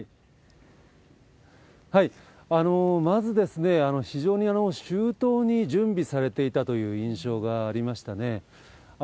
きのう、まず、非常に周到に準備されていたという印象がありましたね。